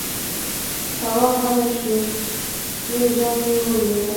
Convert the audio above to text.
تواب غلی شو، يودم يې وويل: